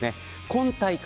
今大会